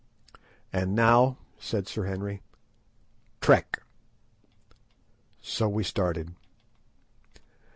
"And now," said Sir Henry, "trek!" So we started.